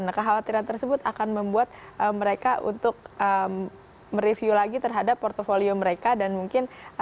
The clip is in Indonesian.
nah kekhawatiran tersebut akan membuat mereka untuk mereview lagi terhadap portfolio mereka dan mungkin